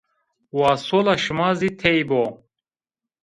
Wa sola şima zî tey bo